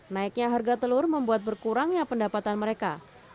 naiknya harga telur membuat berkurangnya pendapatan mereka